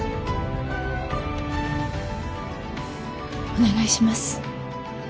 お願いします。